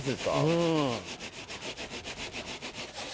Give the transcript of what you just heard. うん。